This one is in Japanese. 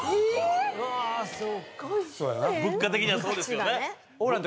物価的にはそうですよね